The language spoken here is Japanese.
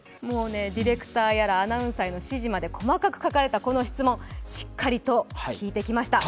ディレクターやアナウンサーまで細かく書かれたこの質問しっかりと聞いてきました。